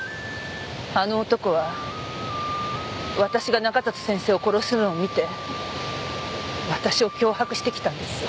あの男は私が中里先生を殺すのを見て私を脅迫してきたんです。